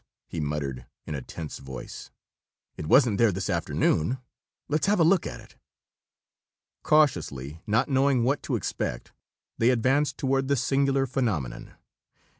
he muttered, in a tense voice. "It wasn't there this afternoon. Let's have a look at it." Cautiously, not knowing what to expect, they advanced toward the singular phenomenon.